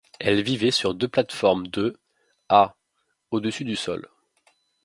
Elle vivait sur deux plateformes de à au-dessus du sol.